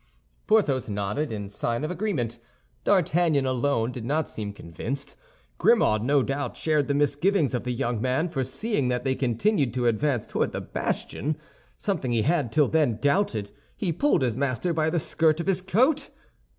Porthos nodded in sign of agreement. D'Artagnan alone did not seem convinced. Grimaud no doubt shared the misgivings of the young man, for seeing that they continued to advance toward the bastion—something he had till then doubted—he pulled his master by the skirt of his coat.